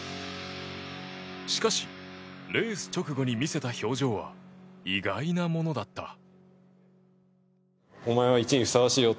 しかしレース直後に見せた表情は意外なものだった。